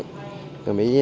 rồi mới đi phá các cái